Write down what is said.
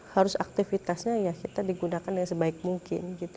harus aktivitasnya ya kita digunakan yang sebaik mungkin gitu